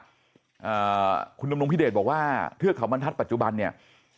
อ่าคุณดำรงพิเดชบอกว่าเทือกเขาบรรทัศน์ปัจจุบันเนี่ย